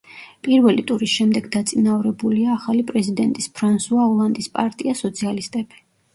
პირველი ტურის შემდეგ დაწინაურებულია ახალი პრეზიდენტის, ფრანსუა ოლანდის პარტია, სოციალისტები.